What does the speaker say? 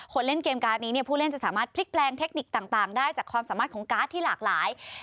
เล่นเกมการ์ดนี้เนี่ยผู้เล่นจะสามารถพลิกแปลงเทคนิคต่างได้จากความสามารถของการ์ดที่หลากหลาย